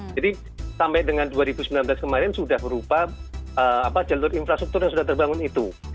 jadi sampai dengan dua ribu sembilan belas kemarin sudah berupa jalur infrastruktur yang sudah terbangun itu